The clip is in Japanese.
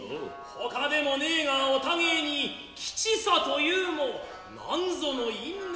外でもねえがお互に吉三というも何ぞの因縁。